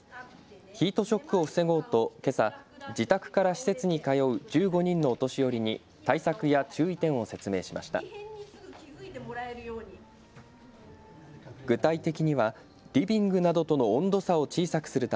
ヒートショックを防ごうとけさ自宅から施設に通う１５人のお年寄りに対策や注意点を説明しました。